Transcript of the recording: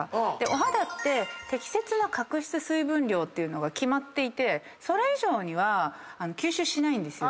お肌って適切な角質水分量っていうのが決まっていてそれ以上には吸収しないんです。